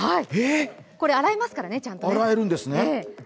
これ、洗えますからね、ちゃんとね。